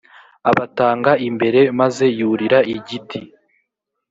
abatanga imbere maze yurira igiti